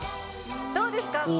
どうですか。